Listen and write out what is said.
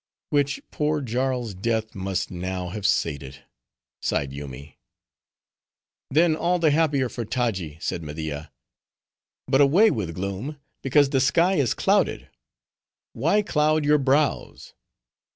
"Which poor Jarl's death must now have sated," sighed Yoomy. "Then all the happier for Taji," said Media. "But away with gloom! because the sky is clouded, why cloud your brows?